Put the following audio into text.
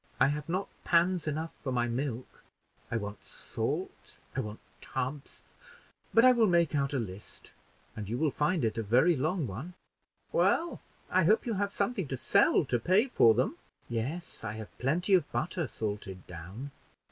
I have not pans enough for my milk; I want salt; I want tubs; but I will make out a list, and you will find it a very long one." "Well, I hope you have something to sell to pay for them?" "Yes; I have plenty of butter salted down."